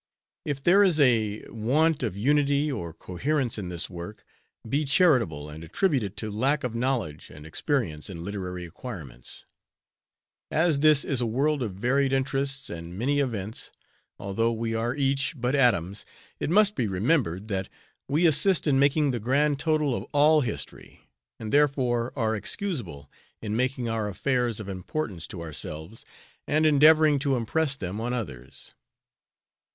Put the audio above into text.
If there is a want of unity or coherence in this work, be charitable and attribute it to lack of knowledge and experience in literary acquirements. As this is a world of varied interests and many events, although we are each but atoms, it must be remembered, that we assist in making the grand total of all history, and therefore are excusable in making our affairs of importance to ourselves, and endeavoring to impress them on others.